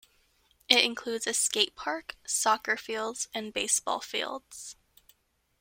It includes a skate park, soccer fields, and baseball fields.